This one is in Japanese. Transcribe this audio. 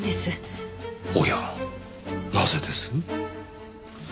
おやなぜです？